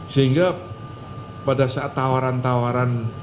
sehingga pada saat tawaran tawaran